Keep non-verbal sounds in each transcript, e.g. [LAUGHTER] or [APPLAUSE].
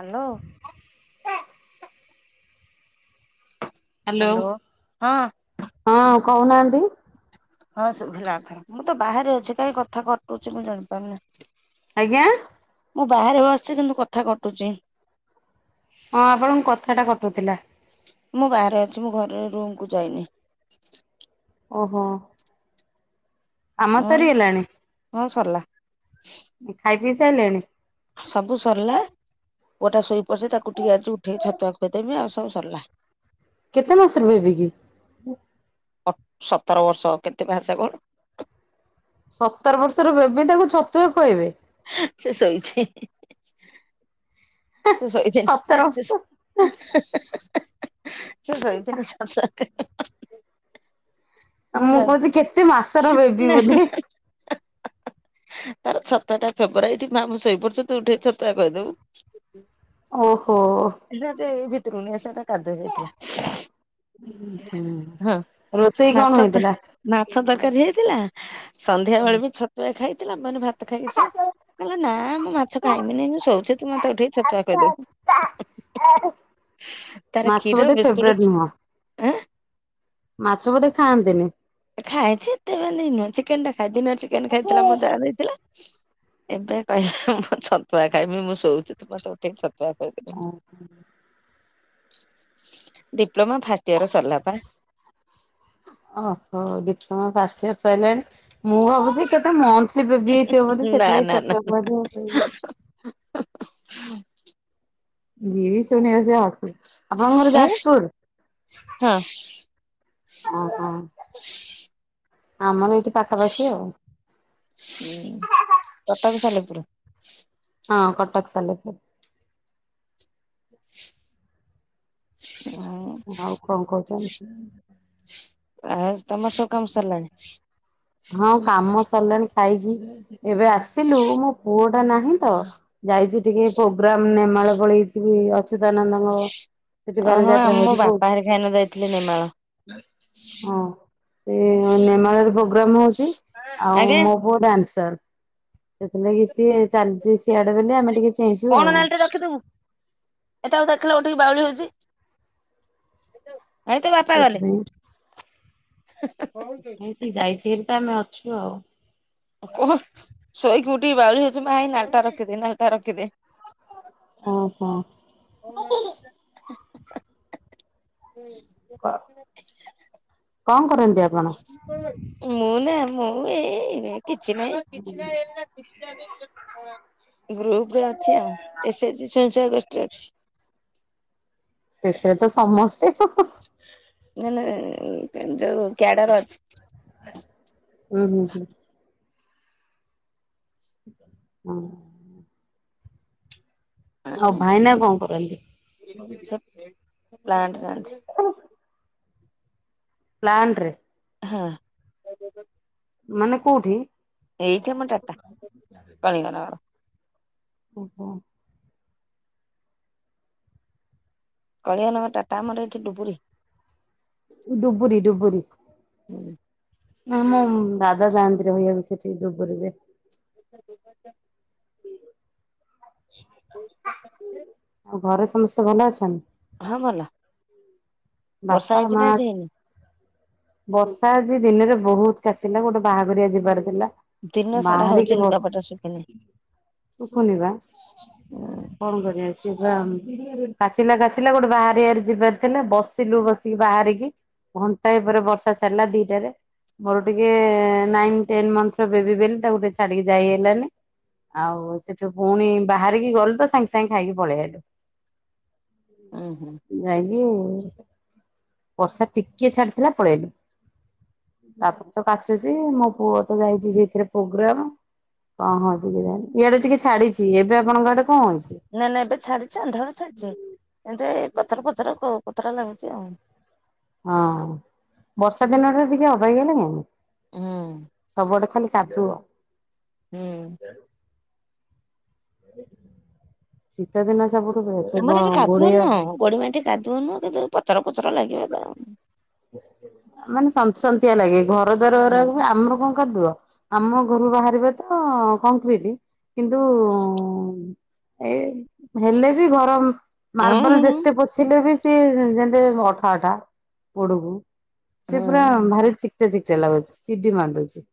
Hello. Hello, hello ହଁ ହଁ କହୁନାହାନ୍ତି। ହଁ ଶୁଭିଲା ଏଥର। ମୁଁ ତ ବାହାରେ ଅଛି କାହିଁ କଥା କଟୁଚି ମୁଁ ଜାଣିପାରୁନି। ଆଜ୍ଞା? ମୁଁ ବାହାରେ ବସିଚି କିନ୍ତୁ କଥା କଟୁଚି। ହଁ ଆପଣଙ୍କ କଥାଟା କଟୁଥିଲା। ମୁଁ ବାହାରେ ଅଛି ମୁଁ ଘରେ ର ରୁମ୍ କୁ ଯାଇନି। ଓହୋ। କାମ ଆଉ ସରି ଗଲାଣି? ହଁ ସରିଲା ଖାଇ ପିଇ ସାଇଲେଣି? ସବୁ ସରିଲା। ପୁଅ ଟା ଶୋଇପଡିଚି ତାକୁ ଟିକେ ଯାଉଚି ଉଠେଇକି ଛତୁଆ ଖୋଇ ଦେବି ଆଉ ସବୁ ସରିଲା। କେତେ ମାସର ବେବି କି? ସତର ବର୍ଷ। କେତେ ମାସ କଣ? ସତର ବର୍ଷର ବେବି ତାକୁ ଛତୁଆ ଖୁଆଇବେ। ସେ ଶୋଇଛି। ସେ ଶୋଇଛି, ସତର ସେ ବର୍ଷ। ସେ ଶୋଇଥିଲେ [UNINTELLIGIBLE] ଆ ମୁଁ ଯାଉଛି କହୁଚି କେତେ ମାସର ବେବି ନା ବୋଧେ। ତାର ଛତୁଆଟା ଫେବରାଇଟ୍ ମାଁ ଶୋଇପଡୁଚି, ତୁ ଉଠେଇ ଛତୁଆ ଖୋଇଦବୁ। ଓହୋ। ଏଇ ଭିତରୁ ନୁହେଁ ସେଟା କାଦୁଅ ଯାଇଥିଲା। ଉଁ ହୁଁ। ହଁ ରୋଷେଇ କଣ ମାଛ ତ ହେଇଥିଲା? ମାଛ ତରକାରୀ ହେଇଥିଲା। ସନ୍ଧ୍ୟା ବେଳେ ବି ଛ ଛତୁଆ ଖାଇଥିଲା, ମାନେ ଭାତ ଖାଇକି ସୋ। କହିଲା ନା ମୁଁ ମାଛ ଖାଇବିନି ମୁଁ ଶୋଉଚି ତୁ ମତେ ଉଠେଇ ଛତୁଆ ଖୋଇଦବୁ। ତାର ମାଛ କ୍ଷୀର ବୋଧେ ବିସ୍କୁଟ୍ ଫେବରେଟ ନୁହଁ ଆଁ? ମାଛ ବୋଧେ ଖାଆନ୍ତିନି? ଖାଏ ଯେ ଏତେ ମାନେ ନୁହେଁ। ଚିକେନ୍ ଟା ଖାଏ। ଦିନରେ ଚିକେନ୍ ଖାଇଥିଲା ମୋ ଜା ଦେଇଥିଲା। ଏବେ କହିଲା ମୁଁ ଛତୁଆ ଖାଇବି। ମୁଁ ଶୋଉଚି ତୁ ମତେ ଉଠେଇକି ଛ ତୁଆ ଖୋଇଦବୁ। ଡିପ୍ଲୋମା ଫାଷ୍ଟ ଇୟର ସରିଲା ପା। ଓହୋ। ଡିପ୍ଲୋମା ଫାଷ୍ଟ ଇୟର ସଇଲାଣି। ମୁଁ ଭାବୁଚି ସେ ତା ମ ବେବି ହେଇଥିବ ବୋଧେ ନା ସେଥିଲାଗି ନା ନା ଛତୁଆ ଖୁଆଇ ଦଉଛନ୍ତି। ଯିଏ ବି ଶୁଣିବ ସେ ହସିବ। ଆପଣଙ୍କ ଘର ହଁ ଯାଜପୁର? ହଁ ହଁ। [UNINTELLIGIBLE] ଆମର ଏଇଠି ପାଖାପାଖି ଆଉ। ହୁଁ କଟକ ସାଲେପୁର? ହଁ କଟକ ସାଲେପୁର। ଆଉ ଆଉ କଁ କହୁଚନ୍ତି? ଆସ୍ ତମର ତ କାମ ସରିଲାଣି? ହଁ କାମ ସରିଲାଣି ଖାଇକି ଏବେ ଆସିଲୁ ମୋ ପୁଅ ଟା ନାହିଁ ତ ଯାଇଚି ଟିକେ ପ୍ରୋଗ୍ରାମ ନେମାଳ ପଳେଇଚି ଅଚ୍ୟୁତାନନ୍ଦଙ୍କ ସେଠି ଅ ହ ବାଲିଯାତ୍ରା ଆମୋ ହଉଛି ବହୁତ ବାପା ହେରିକା ଏଇନା ଯାଇଥିଲେ ନେମାଳ। ହଁ। ସେ ନେମାଳରେ ପ୍ରୋଗ୍ରାମ ହଉଚି ଆଉ ଆଜ୍ଞା। ମୋ ପୁଅ ଡ୍ୟାନ୍ସର। ସେଥିଲାଗି ସିଏ ଚାଲିଚି ସିଆଡେ ବେଲି ଆମେ ଟିକେ ଚେଇଁଚୁ କଣ ଆଉ। ନାଲିଟେ ରଖିଦବୁ ଏଟାକୁ ଦେଖିଲ ଉଠିକି ବାଉଳି ହଉଚି। ଏଇ ତୋ ବାପା ଗଲେ। [INAUDIBLE] ସେଥିପାଇଁ ସେ ଯାଇଚି ହେରି ତ ଆମେ ଅଛୁ ଆଉ। କୋହ ଶୋଇକି ଉଠିକି ବାଉଳି ହଉଚି ମା ଏ ନାଲିଟା ରଖିଦେ ନାଲିଟା ରଖିଦେ। ଅ ହ। [INAUDIBLE] ହୁଁ। କହ କଁ କରନ୍ତି ଆପଣ? ମୁଁ ନା ମୁଁ ଏଇ କିଛି ନାହିଁ। ଗ୍ରୁପ ରେ ଅଛି ଆଉ ଏ ସେଜି ସ୍ୱୟଂସହାୟକ ଗୋଷ୍ଠୀରେ ଅଛି। ସେଥିରେ ତ ସମସ୍ତେ। ନା ନା ଯୋ କ୍ୟାଡ଼ର ଅଛି। ଉଁ ହୁଁ ହୁଁ। ହଁ। ଆଉ ଭାଇନା କଁ କରନ୍ତି। ସେ ପ୍ଲାଣ୍ଟ ଯାଆନ୍ତି। [UNINTELLIGIBLE] ପ୍ଲାଣ୍ଟରେ? ହଁ। ମାନେ କୁଉଠି? ଏଇଠେ ମୋ ଡାଟା ସରିଗଲା ବା। ଓହୋ। କଳିଙ୍ଗନଗର ଡାଟା ଆମର ଏଇଠି ଡୁବୁରି। ଡ଼ୁବୁରୀ ଡୁବୁୁରୀ। ଆମ ଦାଦା ଯାଆନ୍ତି ରହିବାକୁ ସେଠି ଡ଼ୁବୁରିରେ। ହଁ [INAUDIBLE] ଆଉ ଘରେ ସମସ୍ତେ ଭଲ ଅଛନ୍ତି? ହଁ ଭଲ ବାପା ବର୍ଷା ମା ହେଇଚି ନା ଅଛନ୍ତି? ଆଜି ହେଇନି? ବର୍ଷା ଆଜି ଦିନରେ ବହୁତ କାଚିଲା ଗୋଟେ ବାହାଘରିଆ ଯିବାର ଥିଲା ଦିନ ସାରା ହଉଛି ବାହାରିକି ଲୁଗାପଟା ଶୁଖିନି ବସି [INAUDIBLE] ଶୁଭୁନି ବା। ଉଁ କଣ କରିବା ସିଏପା କାଚିଲା କାଚିଲା ଗୋଟେ ବାହାଘରିଆରେ ଯିବାର ଥିଲା ବ ସିଲୁ ବସିକି ବାହାରିକି ଘଣ୍ଟାଏ ପରେ ବର୍ଷା ଛାଡିଲା ଦିଇଟାରେ। ମୋର ଟିକେ ନାଇନ୍ ଟେନ୍ ମନ୍ଥର ବେବି ବୋଲି ତାକୁ ଟିକେ ଛାଡିକି ଯାଇ ହେଲାନି। ଆଉ ସେଠୁ ଫୁଣି ବାହାରିକି ଗଲୁ ତ ସାଙ୍ଗେ ସାଙ୍ଗେ ଖାଇକି ପଳେଇ ଆଇଲୁ। ଉଁ ହୁଁ ଯାଇକି ବର୍ଷା ଟିକେ ଛାଡିଥିଲା ପଳେଇଲୁ। ତାପରେ ତ କାଚୁଚି ମୋ ପୁଅ ତ ଯାଇଚି ସେଇଥିରେ ପ୍ରୋଗ୍ରାମ। କଣ ହଉଚି କେଯାଣି ଇଆଡେ ଟିକେ ଛାଡିଚି ଏବେ ଆପଣଙ୍କ ଆଡେ କଣ ହଉଚି। ନାଇଁ ନାଇଁ ଏବେ ଛାଡିଚି ଅନ୍ଧାର ଛାଡିଚି ଏମିତି ଏଇ ପଚର ପଚର କୋ-କୋତରା ଲାଗୁଚି ଆଉ। ହଁ ବର୍ଷା ଦିନରେ ଟିକେ ଅବାଗିଆ ଲାଗେନି ହୁଁ ସବୁଆଡେ ଖାଲି କାଦୁଅ ହୁଁ। ଶୀତଦିନେ ସବୁଠୁ [UNINTELLIGIBLE] ଘ ଆମର ଏଠି କାଦୁଅ ନୁହଁ ଘୋଡେଇହୋବୁ। ଗୋଡିମାଟି କାଦୁଅ ନୁଅ କିନ୍ତୁ ପଚର ପଚର ଲାଗିବ ତ ଆଉ। ମାନେ ସନ୍ତ ସନ୍ତିଆ ଲାଗେ ଘରଦ୍ଵାର ହୁଁ ଓରାକ [UNINTELLIGIBLE] ଆମର କଣ କାଦୁଅ। ଆମ ଘରୁ ବାହାରିବେ ତ କଂକ୍ରିଟ କିନ୍ତୁ ଏଇ ହେଲେ ବି ଗରମ ହୁଁ ମାର୍ବଲ ହୁଁ ଯେତେ ପୋଛିଲେ ବି ସିଏ ଯେ-ଯେମିତି ଅଠା ଅଠା ଗୋଡକୁ। ସେ ପୁରା ହୁଁ ଭାରି ଚିକଟା ଚିକଟା ଲାଗୁଚି ଚିଡି ମାଣ୍ଡୁଚି।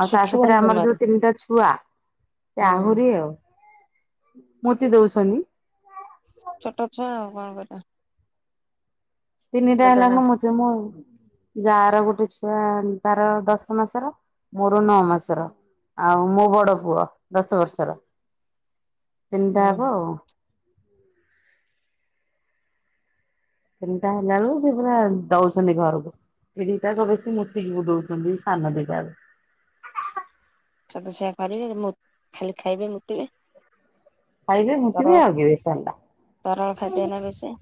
ଆଉ ତା ସାଥିରେ ଶୁଖିବନି ଆମର ଜମାରୁ ଯୋଉ ତିନିଟା ଛୁଆ ସେ ହୁଁ ଆହୁରି ଆଉ। ମୁତି ଦଉଛନ୍ତି। ଛୋଟ ଛୁଆ ଆଉ କଣ କରିବି। ତିନିଟା ତ ଏଇନା ହେଲାଖେଣି ଶୁଖି ମୁତିମୁ। ଯା ର ଗୋଟେ ଛୁଆ ତାର ଦଶ ମାସର ମୋର ନଅ ମାସର। ଆଉ ମୋ ବଡ ପୁଅ ଦଶ ବର୍ଷର ତିନିଟା ହୁଁ ହୁଁ। ହବ ଆଉ। ତିନିଟା ହେଲା ବେଳକୁ ସେ ପୁରା ଦଉଛନ୍ତି ଘରକୁ ଏଇ ଦିଇଟାକ କେଶି ମୁତିକି ବୁଡୋଉଚନ୍ତି ସାନ ଦିଇଟାଆକ। ଛୁଆ ତ ସେଇଆ କରିବେ ମୁତ୍ ଖାଲି ଖାଇବେ ମୁତିିବେ। ଖାଇବେ ମୁତିବେ ହଗିବେ ସ‌ଇଲା। ତରଳ ଖାଦ୍ୟ ନା ବେଶୀ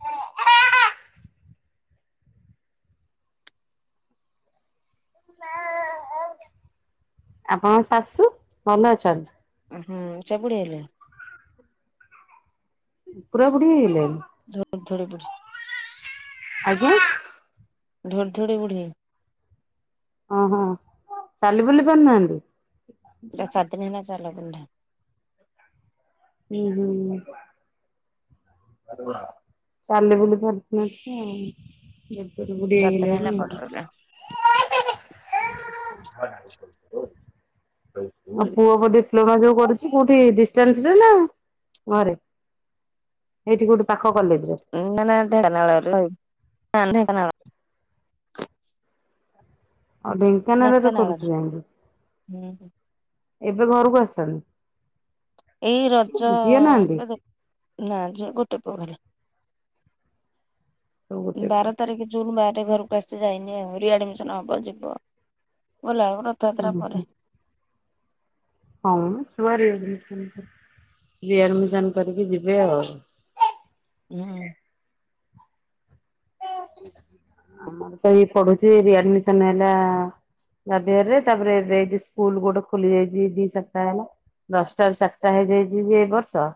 ଆପଣଙ୍କ ଶାଶୁ ଭଲ ଅଛନ୍ତ? ଓହୋ [UNINTELLIGIBLE] ପୁରା ବୁଢି ହେଇଗଲେଣି? ଧୁଡ୍ ଧୁଡ୍ ବୁଢି ଆଜ୍ଞା ଧୁଡି ଧୁଡି ବୁଢି। ଓହୋ ଚାଲି ବୁଲି ପାରୁନାହାନ୍ତି? ଏ ଚାରି ଦିନ ହେଲା ଚାଲା ବୁଲ୍ ନାହିଁ। ହୁଁ ହୁଁ। ଚାଲି ବୁଲି ପାରୁନାହାନ୍ତି ଆଉ। ବୁଡି ଚାରି ଦିନ ହେଲା ହେଇଗଲେଣି। ପଡିଲା [UNINTELLIGIBLE] ଆଉ ପୁଅ ପା ଡିପ୍ଲୋମା ଯୋଉ କରୁଚି କୋଉଠି ଡିଷ୍ଟାନ୍ସ ରେ ନା ଘରେ ଏଇଠି କୋଉଠି ପାଖ କଲେଜରେ। ଏ ନା ନା ଢେଖନାଳରେ ରହିବୁ ନା ଢେଙ୍କାନାଳ [INAUDIBLE] ଓ ଢେଙ୍କାନାଳରେ କରୁଚି ଯାଇଁକି ହୁଁ ଏବେ ଘରକୁ ଆସଚନ୍ତି। ଏଇ ରଜ ନାହାନ୍ତି ପରେ। ନା ଜ ଗୋଟେ ପରେ। ସବୁ ଉଁ ଗୋଟେ ପୁଅ। ବାର ତାରିଖି। ଜୁନ ମାରେ ଘରକୁ ଆସିେ ଯାଇନି ଆହୁ ରିଆଡମିସନ ହବ ଯିବ ଭଲ ଆମର ରଥଯାତ୍ରା ପରେ ହଁ ଛୁଆ ରିଆଡମିସନ ରିଆଡମିସନ କରିକି ଯିବେ ଆଉ। ଉୁଁ ହୁଁ। ଆମରତ ଏଇ ପଢୁଛି ରିଆଡମିସନ ହେଲା। ଜାଭିଅର ତାପରେ ସେଇଠି ସ୍କୁଲ ଗୋଟେ ଖୋଲି ଯାଇଚି ଦି ସପ୍ତାହ ହେଲା। ଦଶଟାରୁ ଚାରିଟା ହେଇଯାଇଛିଯେ ଏ ବର୍ଷ।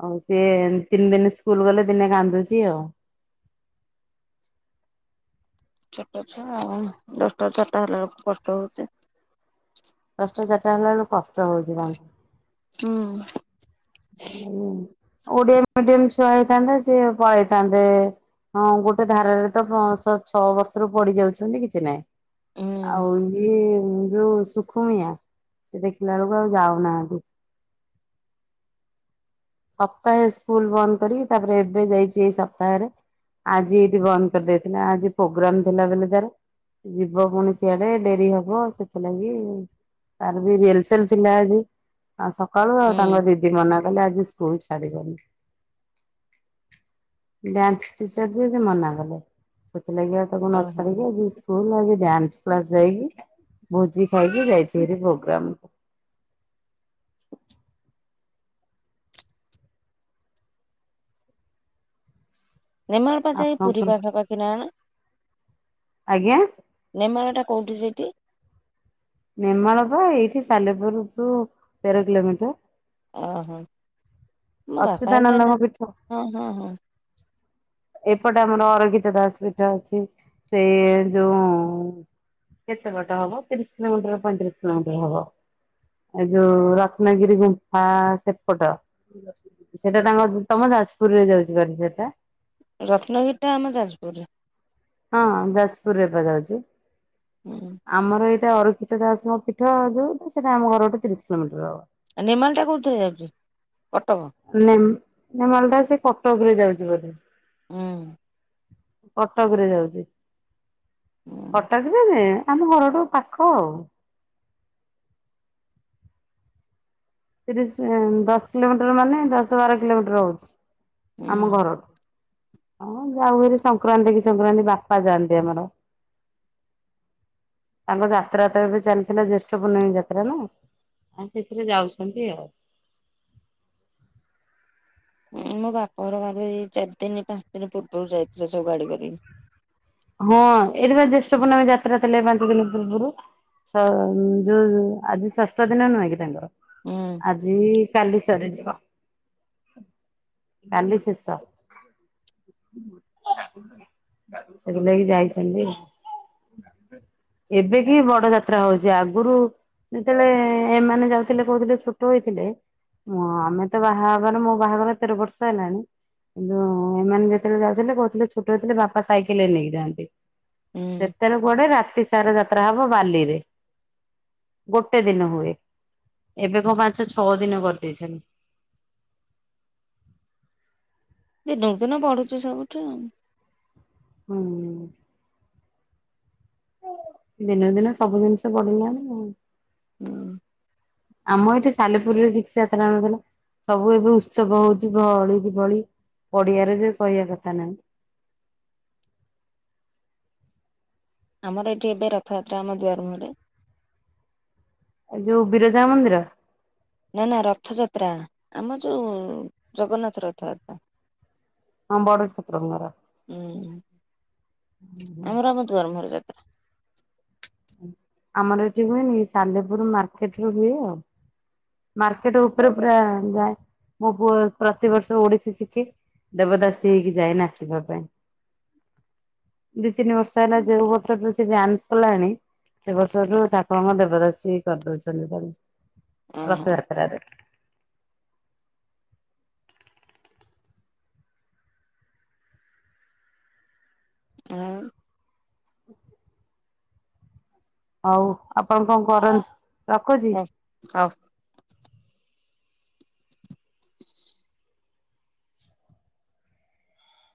ଆଉ ସିଏ ତିନି ଦିନ ସ୍କୁଲ ଗଲେ ଦିନେ ରାନ୍ଦୁଚି ଆଉ। ଛୋଟ ଛୁଆ ଆଉ ଦଶଟା ଚାରିଟା ହେଲା କଷ୍ଟ ହଉଛି। ଦଶଟାରୁ ଚାରିଟା ହେଲା ବେଳୁ କଷ୍ଟ ହଉଛି ଭାରି। ଉୁଁ। ଓଡିଆ ମିଡିମ ଛୁଆ ହେଇଥାନ୍ତେ ସେ ପଳେଇଥାନ୍ତେ। ହଁ ଗୋଟେ ଧାରାରେତ ଛଅ ବର୍ଷରୁ ପଡି ଯାଉଛନ୍ତି କିଛି ନାହିଁ। ହୁଁ ଆଉ ଇଏ ଯୋଉ ସୁଖୁଣିଆ ସେ ଦେଖିଲା ବେଳକୁ ଆଉ ଯାଉନାହାନ୍ତି। ସପ୍ତାହେ ସ୍କୁଲ ବନ୍ଦ କରି ତାପରେ ଏବେ ଯାଇଚି ଏଇ ସପ୍ତାହରେ। ଆଜି ଏଇଠି ବନ୍ଦ କରିଦେଇଥିଲା ଆଜି ପୋଗ୍ରାମ ଥିଲା ବୋଲି ତାର। ଯିବ ପୁଣି ସିଆଡେ ଡେରି ହବ ସେଥିଲାଗି। ତାରବି ରିଏଲସେଲ ଥିଲା ଆଜି ଆ ସକାଳୁ ଆଉ ହୁଁ ତାଙ୍କ ଦିଦି ମନା କଲେ ଆଜି ସେ ଇସ୍କୁ ଛାଡିବନି। ଡାନ୍ସ ଟିଚର ଯିଏ ମନା କଲେ ସେଥିଲାଗି ଆଉ ତାକୁ ନ ଓହୋ ଛାଡିକି ଇସ୍କ। ସ୍କୁଲ ଆଗେ ଡ୍ୟାନ୍ସ କ୍ଲାସ ଯାଇକି ଭୋଜି ଖାଇକି ଯାଇଛିଆରି ପ୍ରୋଗ୍ରାମକୁ। ରେମାଳପା ଜାଇ ପୁରୀ ଆପଣଙ୍କର ପାଖା ପାାଖିନା କଣ? ଆଜ୍ଞା। ରେମାଳଟା କୋଉଠି ସେଟି। ରେମାଳପା ଏଇଠି ସାଲେପୁର ଟୁ ତେର କିଲୋମିଟର। ଅହ ମୋ ବାପା ହେରିକା ଅଚ୍ୟୁତାନନ୍ଦଙ୍କ ଏଇନା ପୀଠ ହଁ ହଁ ହଁ। [INAUDIBLE] ଏପଟେ ଆମର ଅରପିତ ଦାସ ପିଠ ଅଛି ସେଇ ଯୋଉ। କେତେ ବାଟହବ ତିରିଶ କିଲୋମିଟର ପଇତିରିଶ କିଲୋମିଟର ହବ। ଏ ଯୋଉ ରତ୍ନଗିରି ଗୁମ୍ଫା ସେପଟ ସେଟା ତାଙ୍କ ତମ ଯାଜପୁରରେ ଯାଉଛି ବାଲିଯାତ୍ରା। ରତ୍ନଗିରିଟା ଆମ ଯାଜପୁରେ ହଁ ଯାଜପୁରରେ ଯାଉଚି। ଉୁଁ। ଆମର ଏଇଟା ଅରଖିତ ଦାସଙ୍କ ପୀଠ ଯୋଉ ସେଇଟା ଆମ ଘର ଗୋଟେ ତିରିଶ କିଲୋମିଟର ହବ। ନେମାଲଟା କେଉଁଥିରେ ଯାଉଛି କଟକ? ନେ ନେମାଲଟା ସେ କଟକରେ ଯାଉଛି ବୋଧେ। ଉୁଁ। କଟକରେ ଯାଉଛି ହୁଁ କଟକରେ ଆମ ଘରଠୁ ପାଖ ଆଉ। ତିରିଶ ଦଶ କିଲୋମିଟର ମାନେ ଦଶ ବାର କିଲୋମିଟର ହଉଛି। ଆମ ହୁଁ। ଘରଠୁ। ହଁ ଯାଉହାରି ସଂକ୍ରାନ୍ତିକି ସଂକ୍ରାନ୍ତି ବାପା ଯାଆନ୍ତି ଆମର। ତାଙ୍କ ଯାତ୍ରାତ ଏବେ ଚାଲିଥିଲା ଜ୍ୟେଷ୍ଠ ପୂର୍ଣ୍ଣମୀ ଯାତ୍ରାନା। ହଁ ସେଥିରେ ଯାଉଛନ୍ତି ଆଉ। ମୋ ବାପା ଘରୁ ଚାରି ଦିନ ପାଞ୍ଚ ଦିନ ପୂର୍ବରୁ ଯାଇଥିଲେ ସବୁ ଗାଡି କରିକି। ହଁ ଏଠି ବା ଜ୍ୟେଷ୍ଠ ପର୍ଣ୍ଣମେ ଯାତ୍ରା ଥିଲେ ପାଞ୍ଚ ଦିନ ପୂର୍ବରୁ। ଛ ଯୋଉ ଆଜି ଷଷ୍ଠ ଦିନ ନୁହେଁ କି ତାଙ୍କର ହୁଁ। ଆଜି କାଲି ସରେ ଯିବା [UNINTELLIGIBLE] କାଲି ଶେଷ। ସେକୁ ନେଇକି ଯାଇଛନ୍ତି [UNINTELLIGIBLE] ଏବେ କି ବଡ ଯାତ୍ରା ହଉଛି ଆଗରୁ ଯେତେବେଳେ ଏମାନେ ଯାଉଥିଲେ କହୁଥିଲେ ଛୋଟ ହେଇଥିଲେ। ମୁଁ ଆମେ ତ ବାହାଘର ମୋ ବାହାଘର ତେର ବର୍ଷ ହେଲାଣି। କିନ୍ତୁ ଏମାନେ ଯେତେବେଳେ ଯାଉଥିଲେ କହୁଥିଲେ ଛୋଟ ହେଉଥିଲେ ବାପା ସାଇ ଦେଖିଲେ ନେଇକି ଯାଆନ୍ତି ହୁଁ ସେତେବେଳେ କୁଆଡେ ରାତି ସାରା ଯାତ୍ରା ହବ ବାଲିରେ। ଗୋଟେ ଦିନ ହୁଏ ଏବେ କଣ ପାଞ୍ଚ ଛଅ ଦିନ କରିଦେଇଛନ୍ତି। ଦିନକୁ ଦିନ ବଢୁଛି ସବୁଠି। ହୁଁ। ଦିନ ଦିନ ସବୁ ଜିନିଷ ପଢିଲାଣି ଆ ହୁଁ। ଆମ ଏଠି ସାଲେପୁରୀରେ କିଛି ଯାତ୍ରା ନଥିଲା। ସବୁ ଏବେ ଉତ୍ସବ ହଉଛି ଭଳି କି ଭଳି ପଡିଆରେ ସେ କହିବା କଥା ନାହିଁ। ଆମର ଏଠି ଏବେ ରଥଯାତ୍ରା ଆମ ଦୁଆର ମୁହଁରେ। ଆଉ ଯୋଉ ବିରଜା ମନ୍ଦିର। ନା ନା ରଥଯାତ୍ରା ଆମ ଯୋଉ ଜଗନ୍ନାଥ ରଥଯାତ୍ରା। ହଁ ବଡ ଠାକୁରଙ୍କର। ହୁଁ ଆମର ଆମ ଦୁଆର ମୁହଁରେ ଯାତ୍ରା। ଆମର ଏଠି ହୁଏନି ସାଲେପୁର ମାର୍କେଟ ରୁ ହୁଏ ଆଉ। ମାର୍କେଟ ଉପରେ ପୁରା ଯାଏ ମୋ ପୁଅ ଏ ପ୍ରତିବର୍ଷ ଓଡିଶୀ ଶିଖେ। ଦେବଦାସୀ ହେଇକି ଯାଏ ନାଚିବା ପାଇଁ। ଦିଇ ତିନି ବର୍ଷ ହେଲା ଯୋଉ ବର୍ଷ ବି ସେ ଡାନ୍ସ କଲାଣି। ଏ ବର୍ଷରୁୁ ଠାକୁରଙ୍କ ଦେବଦାସୀ କରିଦଉଛନ୍ତି ତାକୁ ଓହୋ। ରଥଯାତ୍ରାରେ। ଆଉ [INAUDIBLE] ହଉ ଆପଣ କଣ କରନ୍ତୁ। ରଖୁଛି। ହଉ।